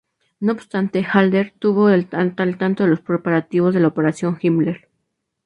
No obstante, Halder estuvo al tanto de los preparativos de la Operación Himmler.